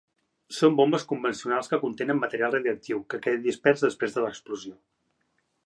Són bombes convencionals que contenen material radioactiu, que queda dispers després de l'explosió.